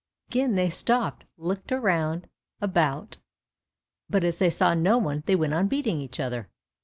Again they stopped, looked round about, but as they saw no one they went on beating each other.